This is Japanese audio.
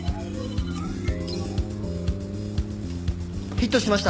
ヒットしました！